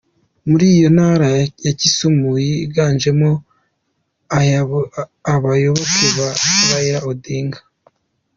Muri iyo ntara ya Kisumu yiganjemwo abayoboke ba Raila Odinga.